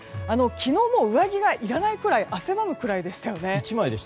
昨日も上着がいらないくらい汗ばむくらいでしたよね。